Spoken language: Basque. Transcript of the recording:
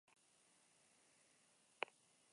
Telebista-saioetarako gidoiak idatzi eta zuzendu zituzten.